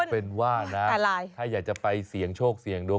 เป็นว่านะถ้าอยากจะไปเสี่ยงโชคเสี่ยงดวง